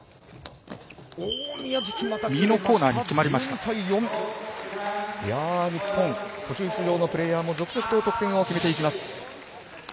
１２対４日本、途中出場のプレーヤーも続々と得点を決めてきます。